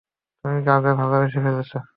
তুমি কাউকে ভালোবেসে ফেলেছো!